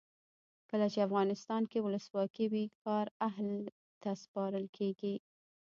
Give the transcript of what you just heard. کله چې افغانستان کې ولسواکي وي کار اهل ته سپارل کیږي.